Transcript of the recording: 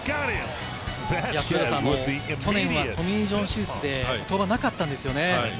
黒田さん、去年はトミー・ジョン手術で登板がなかったんですよね。